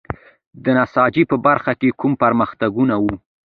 د نساجۍ په برخه کې کوم پرمختګ نه و.